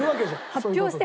発表して！